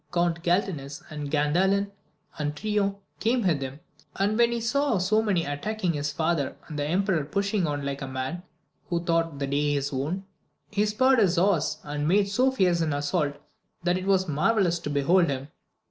Gount Galtines sind Gandalin and Trion came with him ; and when he saw so many attacking his father, and the emperor pushing on like a man who thought the day his own, he spurred his horse, and made so fierce an assault, that it was marvellous to behold him.